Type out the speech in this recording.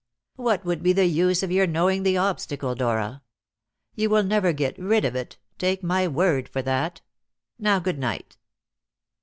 "What would be the use of your knowing the obstacle, Dora? You will never get rid of it take my word for that. Now good night."